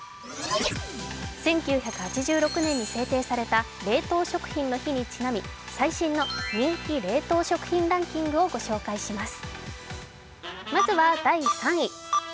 １９８６年に制定された冷凍食品の日にちなみ、最新の人気冷凍食品ランキングをご紹介します。